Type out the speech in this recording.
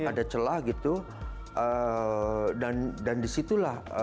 ada celah gitu dan disitulah